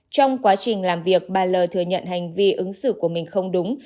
trong quá trình làm việc bà l thừa nhận hành vi ứng xử của mình không đúng